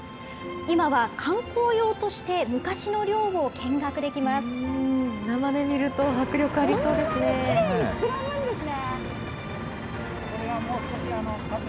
今は観光用として、生で見ると、迫力ありそうですね。